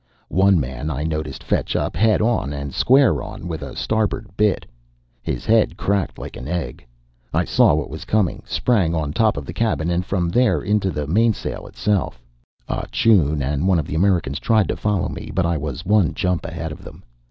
One man I noticed fetch up, head on and square on, with the starboard bitt. His head cracked like an egg. I saw what was coming, sprang on top of the cabin, and from there into the mainsail itself. Ah Choon and one of the Americans tried to follow me, but I was one jump ahead of them.